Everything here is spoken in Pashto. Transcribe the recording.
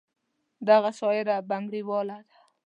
دغه شاعره بنګړیواله ده.